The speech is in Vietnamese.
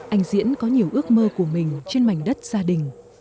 anh diễn có nhiều ước mơ của mình trên mảnh đất gia đình